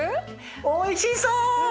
おいしそう！